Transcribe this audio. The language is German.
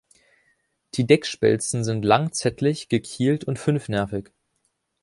Die Deckspelzen sind lanzettlich, gekielt und fünfnervig.